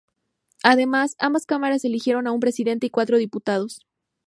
Además, ambas cámaras eligieron a un presidente y cuatro diputados.